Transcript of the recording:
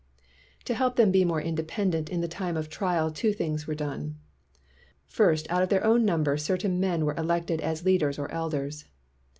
To help them to be more independent in the time of trial two things were done. First, out of their own number certain men were elected as leaders or elders.